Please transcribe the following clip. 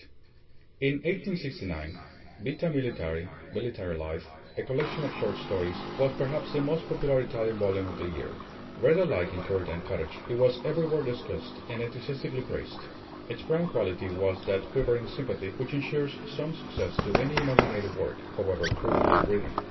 EDMONDO DE AMICIS (1846 ) In 1869, 'Vita Militare' (Military Life), a collection of short stories, was perhaps the most popular Italian volume of the year. Read alike in court and cottage, it was everywhere discussed and enthusiastically praised. Its prime quality was that quivering sympathy which insures some success to any imaginative work, however crudely written.